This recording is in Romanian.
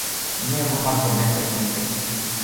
Nu e vorba că vrem să ținem predici.